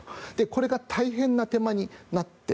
これが大変な手間になって